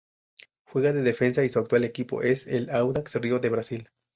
Juega de defensa y su actual equipo es el Audax Rio de Brasil.